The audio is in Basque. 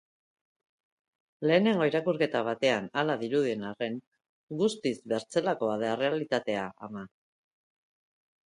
Lehenengo irakurketa batean hala dirudien arren, guztiz bertzelakoa da errealitatea, ama.